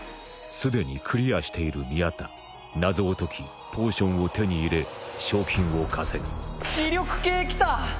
すでにクリアしている宮田謎を解きポーションを手に入れ賞金を稼ぐ知力系来た！